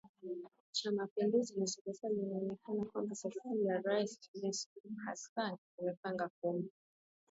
Cha Mapinduzi na serikali inaonekana kwamba serikali ya Rais Samia Suluhu Hassan imepanga kumpa